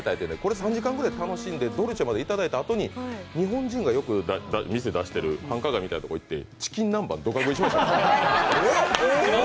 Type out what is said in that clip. ３時間ぐらい楽しんでドルチェまで頂いたあとに日本人がよく店出している繁華街みたいなところに行ってチキン南蛮をドカ食いしましたね。